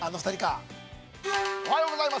◆おはようございます。